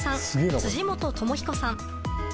辻本智彦さん。